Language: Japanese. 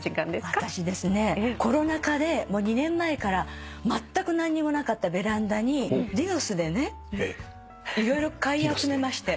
私ですねコロナ禍で２年前からまったく何にもなかったベランダにディノスでね色々買い集めまして。